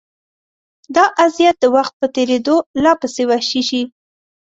دا اذیت د وخت په تېرېدو لا پسې وحشي شي.